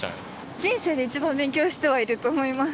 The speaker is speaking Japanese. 人生で一番勉強しているとは思います。